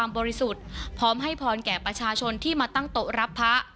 บริสุทธิ์พร้อมให้พรแก่ประชาชนที่มาตั้งโต๊ะรับพระ